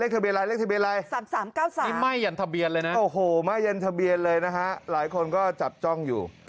นี่ไหม้เย็นทะเบียนเลยนะโอ้โหไหม้เย็นทะเบียนเลยนะฮะหลายคนก็จับจ้องอยู่